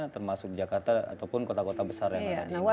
termasuk jakarta ataupun kota kota besar yang ada di indonesia